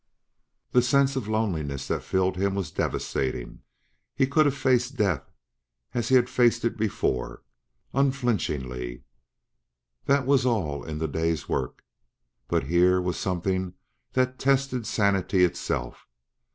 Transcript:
The sense of loneliness that filled him was devastating. He could have faced death as he had faced it before, unflinchingly; that was all in the day's work. But here was something that tested sanity itself.